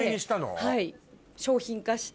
はい。